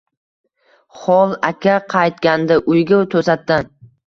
Xol aka qaytgandi uyga to’satdan